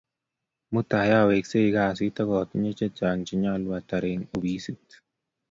Mutai awekse kasit akatinye chechang' che nyalu atar eng' opisit